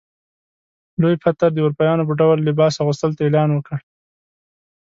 لوی پطر د اروپایانو په ډول لباس اغوستلو ته اعلان وکړ.